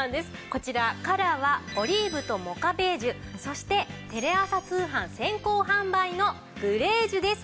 こちらカラーはオリーブとモカベージュそしてテレ朝通販先行販売のグレージュです。